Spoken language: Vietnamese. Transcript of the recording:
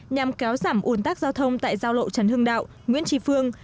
nhằm kéo giảm ủn tắc giao thông tại giao lộ trần hưng đạo nguyễn tri phương